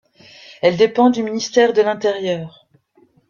Elle dépend du Ministère de l'intérieur.